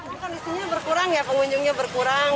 kondisinya berkurang ya pengunjungnya berkurang